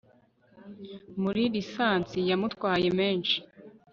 Muri lisansi yamutwaye menshi